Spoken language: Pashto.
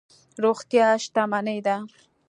روغتیا شتمني ده.